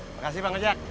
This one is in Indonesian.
makasih bang ojek